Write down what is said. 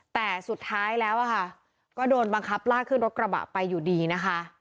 แต่สุดท้ายแล้วอะค่ะก็โดนบังคับลากขึ้นรถกระบะไปอยู่ดีนะคะ